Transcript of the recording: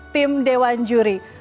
tim dewan juri